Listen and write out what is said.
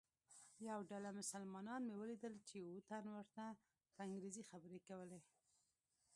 یوه ډله مسلمانان مې ولیدل چې یوه تن ورته په انګریزي خبرې کولې.